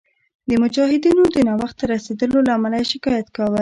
د مجاهدینو د ناوخته رسېدلو له امله یې شکایت کاوه.